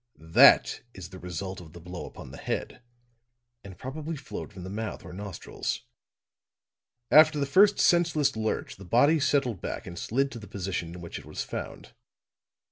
"That is the result of the blow upon the head, and probably flowed from the mouth or nostrils. After the first senseless lurch the body settled back and slid to the position in which it was found.